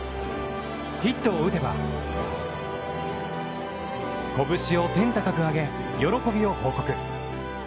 ヒットを打てば、拳を天高く上げ、喜びを報告。